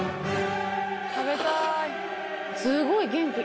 食べたい。